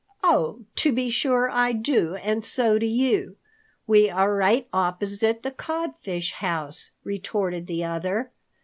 "Oh, to be sure I do, and so do you. We are right opposite the Codfish's house," retorted the other.